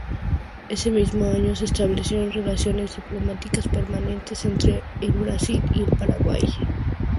Ese mismo año se establecieron relaciones diplomáticas permanentes entre el Brasil y el Paraguay.